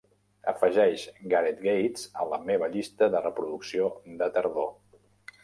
Afegeix Gareth Gates a la meva llista de reproducció de tardor.